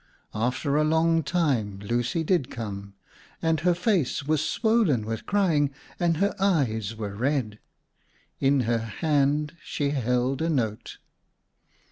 After a long time Lucy did come, and her face was swollen with crying and her eyes were red. In her hand she held a note.